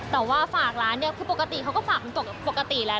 แต่ว่าฝากร้านคือปกติเขาก็ฝากมันปกติแล้ว